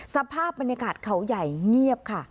สภาพบรรยากาศเขาใหญ่เงียบค่ะ